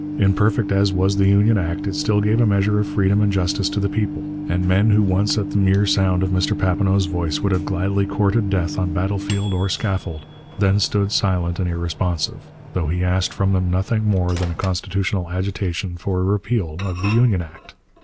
Imperfect as was the Union Act, it still gave a measure of freedom and justice to the people, and men who once at the mere sound of Mr Papineau's voice would have gladly courted death on battle field or scaffold, then stood silent and irresponsive, though he asked from them nothing more than a constitutional agitation for a repeal of the Union Act.